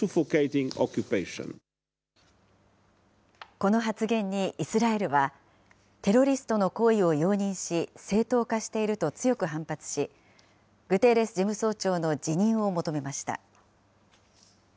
この発言に、イスラエルはテロリストの行為を容認し正当化していると強く反発し、グテーレス事務総長の辞任を求めました。